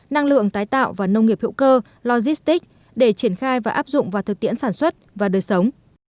năng lượng tái tạo và nông nghiệp hữu cơ logistics để triển khai và áp dụng vào thực tiễn sản xuất và đời sống